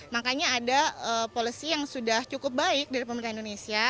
makanya ada policy yang sudah cukup baik dari pemerintah indonesia